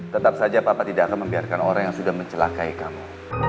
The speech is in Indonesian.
tetap saja papa tidak akan membiarkan orang yang sudah mencelakai kamu